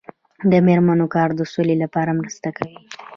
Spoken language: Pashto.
د میرمنو کار د سولې لپاره مرسته کوي.